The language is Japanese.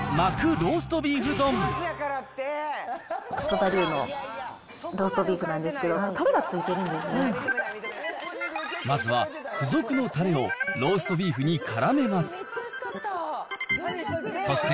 ローストビーフなんですけど、まずは、付属のたれをローストビーフにからめます。